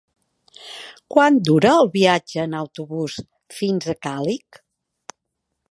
Quant dura el viatge en autobús fins a Càlig?